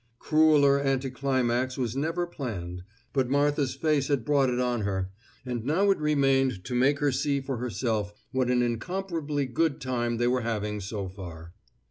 Crueller anticlimax was never planned, but Martha's face had brought it on her; and now it remained to make her see for herself what an incomparably good time they were having so far.